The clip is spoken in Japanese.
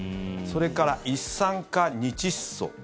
それから、一酸化二窒素